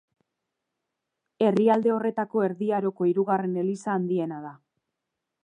Herrialde horretako erdi aroko hirugarren eliza handiena da.